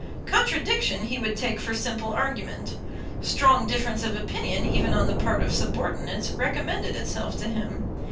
Contradiction he would take for simple argument. Strong difference of opinion even on the part of subordinates recommended itself to him.